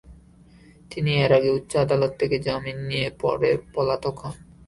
তিনি এর আগে উচ্চ আদালত থেকে জামিন নিয়ে পরে পলাতক হন।